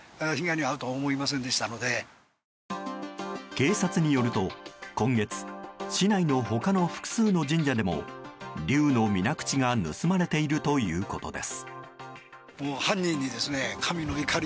警察によると今月市内の他の複数の神社でも龍の水口が盗まれているということです。